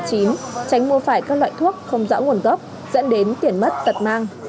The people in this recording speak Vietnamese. tránh mua phải các loại thuốc không rõ nguồn gốc dẫn đến tiền mất tật mang